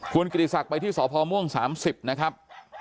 คุณกิติศักดิ์ไปที่สพม่วง๓๐นะครับ